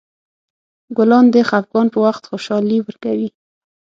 ګلان د خفګان په وخت خوشحالي ورکوي.